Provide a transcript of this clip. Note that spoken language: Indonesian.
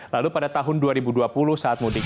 lalu pada tahun dua ribu dua puluh saat mudik